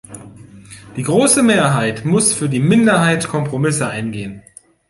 Die große Mehrheit muss für die Minderheit Kompromisse eingehen.